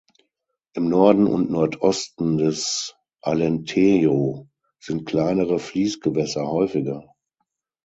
Im Norden und Nordosten des Alentejo sind kleinere Fließgewässer häufiger.